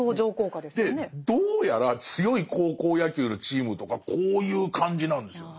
でどうやら強い高校野球のチームとかこういう感じなんですよ。